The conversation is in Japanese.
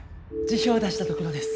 辞表出したところです。